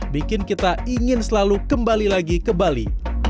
bikin kita ingin selalu kembali lagi ke bali